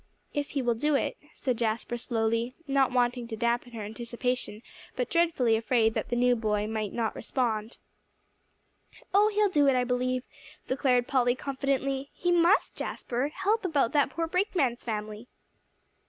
"If he will do it," said Jasper slowly, not wanting to dampen her anticipation, but dreadfully afraid that the new boy might not respond. "Oh, he'll do it, I do believe," declared Polly confidently; "he must, Jasper, help about that poor brakeman's family."